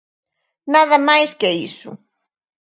Nada máis que iso.